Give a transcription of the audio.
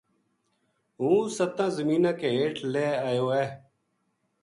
ہوں ستاں زمیناں کے ہیٹھ لہہ ایو ہے